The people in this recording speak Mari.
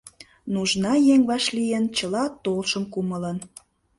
Нужна еҥ вашлийын чыла толшым кумылын.